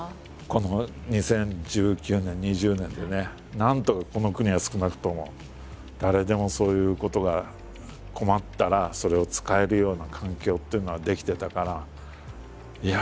なんとかこの国は少なくとも誰でもそういうことが困ったらそれを使えるような環境というのは出来てたから。